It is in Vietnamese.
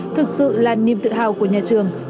thực sự là niềm tự hào của nhà trường